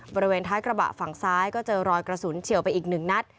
บริเวณท้ายกระบะฝั่งซ้ายก็เจอรอยกระสุนเฉียวไปอีกหนึ่งนัด